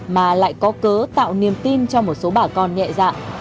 mà lại có cớ tạo niềm tin cho một số bà con nhẹ dạng